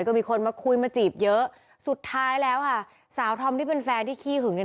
ก็มีคนมาคุยมาจีบเยอะสุดท้ายแล้วศาลทำลิบเป็นแฟนที่คี้หึง